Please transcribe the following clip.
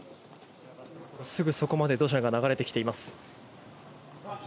すぐそこまで土砂が流れてきています。